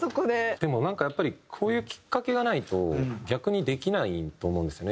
でもなんかやっぱりこういうきっかけがないと逆にできないと思うんですよね